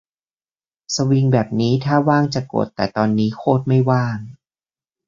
สวิงแบบนี้ถ้าว่างจะกด แต่ตอนนี้โคตรไม่ว่าง